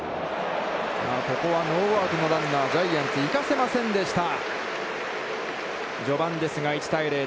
ここはノーアウトのランナー、ジャイアンツ、いかせませんでした。